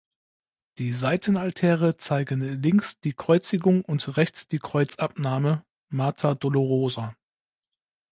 Die Seitenaltäre zeigen links die Kreuzigung und rechts die Kreuzabnahme (Mater dolorosa).